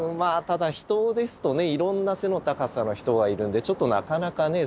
ただ人ですとねいろんな背の高さの人がいるんでなかなかね